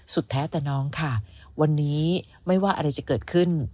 แท้แต่น้องค่ะวันนี้ไม่ว่าอะไรจะเกิดขึ้น